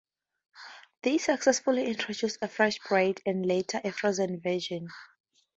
They successfully introduced a fresh bread, and later, a frozen version.